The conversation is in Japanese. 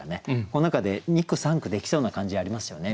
この中で２句３句できそうな感じありますよね。